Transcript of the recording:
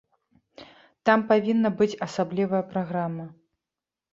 Там павінна быць асаблівая праграма.